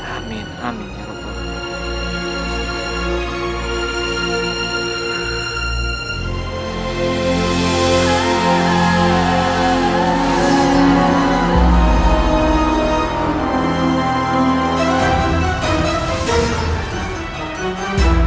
amin amin ya allah